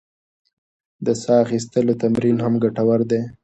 د ساه اخیستلو تمرین هم ګټور دی.